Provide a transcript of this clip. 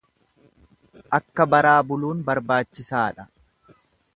Akka baraa buluun barbaachisaadha.